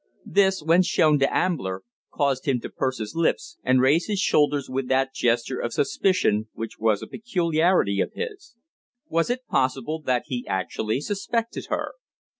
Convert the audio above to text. This, when shown to Ambler, caused him to purse his lips and raise his shoulders with that gesture of suspicion which was a peculiarity of his. Was it possible that he actually suspected her?